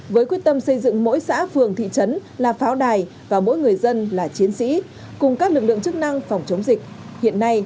với quyết tâm xây dựng mỗi xã phường thị trấn là pháo đài và mỗi người dân là chiến sĩ cùng các lực lượng chức năng phòng chống dịch